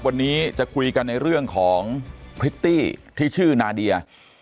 วันนี้จะคุยกันในเรื่องของพริตตี้ที่ชื่อนาเดีย